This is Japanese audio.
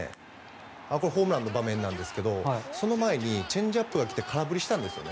これ、ホームランの場面ですがその前にチェンジアップが来て空振りしたんですよ。